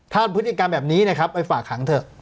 ถ้าพฤติกรรมแบบนี้นะครับไปฝากหางเถอะ